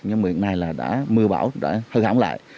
nhưng hiện nay là mưa bão đã hư hỏng lại